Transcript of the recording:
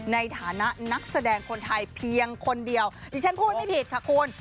ในฐานะนักแสดงคนไทยเพียงคนเดียวดิฉันพูดไม่ผิดค่ะคุณ